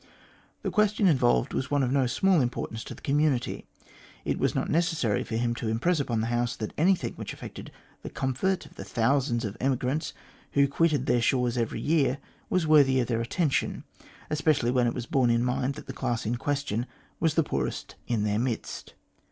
The question involved was one of no small importance to the community. It was not necessary for him to impress upon the House that anything which affected the comfort of the thousands of emigrants who quitted their shores every year was worthy of their attention, especially when it was borne in mind that the class in question was the poorest in their midst.